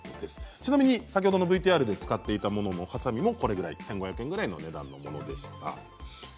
ちなみに先ほどのＶＴＲで使っていたはさみも１５００円ぐらいの値段のものでした。